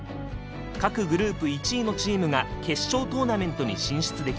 各グループ１位のチームが決勝トーナメントに進出できます。